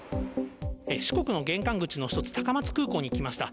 四国の玄関口の一つ、高松空港に来ました。